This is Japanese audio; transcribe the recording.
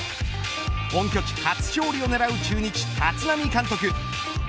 本拠地初勝利を狙う中日、立浪監督。